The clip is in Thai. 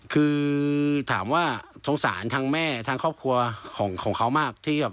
คือถามว่าสงสารทางแม่ทางครอบครัวของเขามากที่แบบ